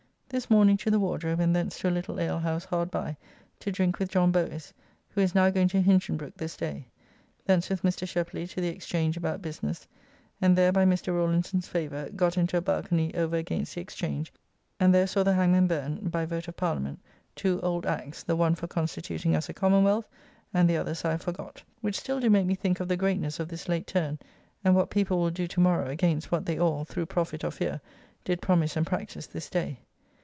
This morning to the Wardrobe, and thence to a little alehouse hard by, to drink with John Bowies, who is now going to Hinchinbroke this day. Thence with Mr. Shepley to the Exchange about business, and there, by Mr. Rawlinson's favour, got into a balcone over against the Exchange; and there saw the hangman burn, by vote of Parliament, two old acts, the one for constituting us a Commonwealth, and the others I have forgot. Which still do make me think of the greatness of this late turn, and what people will do tomorrow against what they all, through profit or fear, did promise and practise this day.